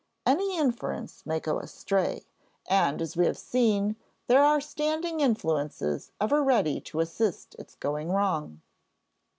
Any inference may go astray; and as we have seen, there are standing influences ever ready to assist its going wrong.